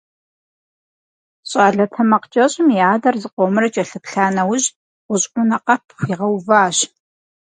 ЩӀалэ тэмакъкӀэщӀым и адэр зыкъомрэ кӀэлъыплъа нэужь, гъущӀ Ӏунэ къэп хуигъэуващ.